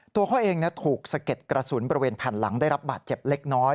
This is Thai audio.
ตัวเขาเองถูกสะเก็ดกระสุนบริเวณแผ่นหลังได้รับบาดเจ็บเล็กน้อย